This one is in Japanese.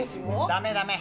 ダメダメ！